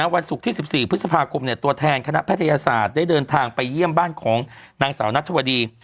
วันศุกร์ที่๑๔พฤษภาคมตัวแทนคณะแพทยศาสตร์ได้เดินทางไปเยี่ยมบ้านของนางสาวนัทธวดี